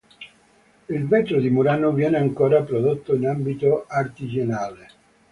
Il vetro di Murano viene ancora prodotto in ambito artigianale.